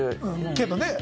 けどね。